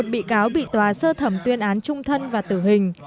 một mươi một bị cáo bị tòa sơ thẩm tuyên án trung thân và tử hình